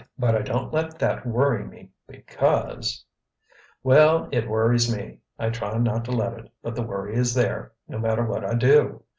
But I don't let that worry me, because——" "Well, it worries me. I try not to let it, but the worry is there, no matter what I do.